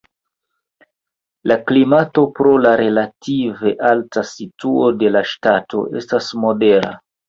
La klimato pro la relative alta situo de la ŝtato estas modera.